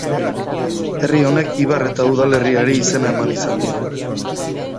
Herri honek ibar eta udalerriari izena eman izan dio.